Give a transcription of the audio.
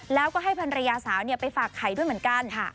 แล้วก็ให้ภรรยาสาวไปฝากไข่ด้วยเหมือนกัน